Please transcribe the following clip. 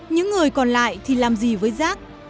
những người còn lại thì làm gì với rác